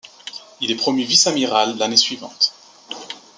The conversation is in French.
Il est promu vice-amiral l'année suivante.